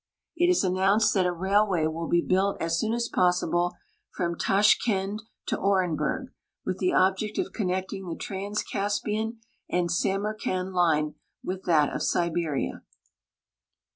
It is announced that a railway will be built as soon as possible from Tashkend to Orenburg, with the object of connecting the Trans Caspian and Samarcand line with that of Siberia.